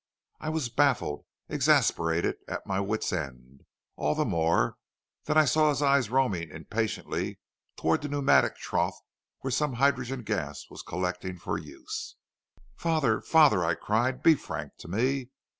"I was baffled, exasperated, at my wits' end; all the more that I saw his eye roaming impatiently towards the pneumatic trough where some hydrogen gas was collecting for use. "'Father, father,' I cried, 'be frank to me.